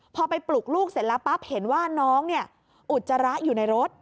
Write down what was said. พอไปปลุกลูกเสร็จแล้วปั๊บเห็นว่าน้องเนี่ยอุจจาระอยู่ในรถ